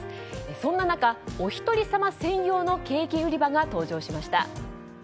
そんな中、おひとり様専用のケーキ売り場が登場しました。